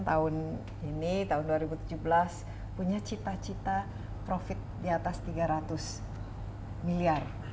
tahun ini tahun dua ribu tujuh belas punya cita cita profit di atas tiga ratus miliar